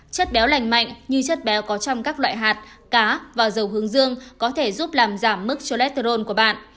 chất béo lành mạnh như chất béo có trong các loại hạt cá và dầu hướng dương có thể giúp làm giảm mức cholesterol của bạn